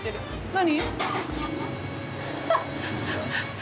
何？